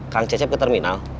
kang cecep ke terminal